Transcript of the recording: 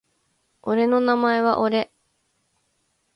俺の名前は俺